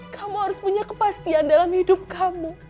kamu harus punya kepastian dalam hidup kamu